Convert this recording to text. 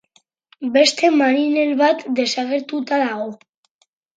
Beste marinel bat desagertuta dago.